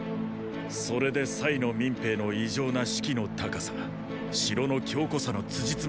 それでの民兵の異常な士気の高さ城の強固さのつじつまが合う。